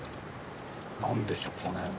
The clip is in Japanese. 何でしょうかね？